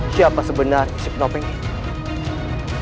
siapa sebenarnya penampilan ibu ren